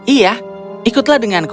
iya ikutlah denganku